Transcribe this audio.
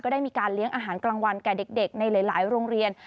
ได้มีการเลี้ยงอาหารกลางวันแก่เด็กในหลายโรงเรียน